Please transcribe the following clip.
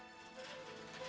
ini surat pengangkatan kamu